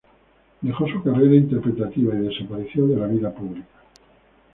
Dejó su carrera interpretativa y desapareció de la vida pública.